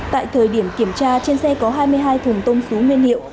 tại thời điểm kiểm tra trên xe có hai mươi hai thùng tôm xú nguyên liệu